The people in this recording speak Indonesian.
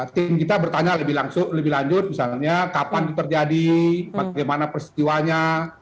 tim kita bertanya lebih lanjut misalnya kapan itu terjadi bagaimana peristiwanya